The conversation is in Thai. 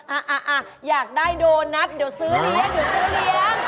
อ่ะอยากได้โบนัสเดี๋ยวซื้อเลี้ยง